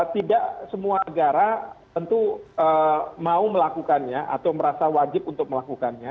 tidak semua negara tentu mau melakukannya atau merasa wajib untuk melakukannya